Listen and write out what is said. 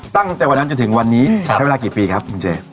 ตั้งแต่วันนั้นจนถึงวันนี้ใช้เวลากี่ปีครับคุณเจ